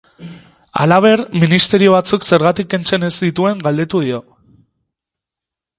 Halaber, ministerio batzuk zergatik kentzen ez dituen galdetu dio.